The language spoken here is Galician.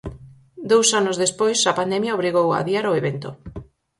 Dous anos despois a pandemia obrigou a adiar o evento.